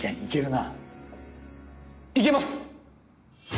いけます！